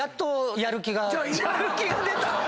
やる気が出た⁉